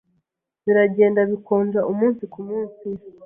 Biragenda bikonja umunsi kumunsi.